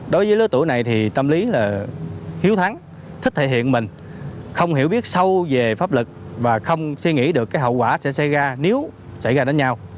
đối với lứa tuổi này thì tâm lý là hiếu thắng thích thể hiện mình không hiểu biết sâu về pháp lực và không suy nghĩ được cái hậu quả sẽ xảy ra nếu xảy ra đánh nhau